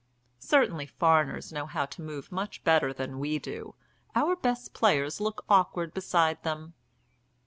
"Certainly foreigners know how to move much better than we do: our best players look awkward beside them."